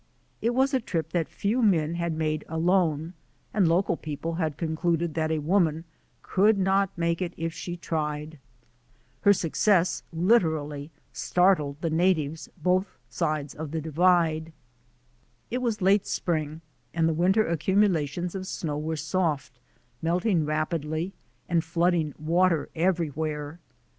It was a trip that few men had made alone, and local people had concluded that a woman could not make it if she tried. Her success DEVELOPMENT OF A WOMAN GUIDE 269 literally startled the natives both sides of the Divide. It was late spring and the winter accumulations of snow were soft, melting rapidly, and flooding water everywhere.